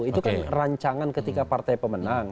itu kan rancangan ketika partai pemenang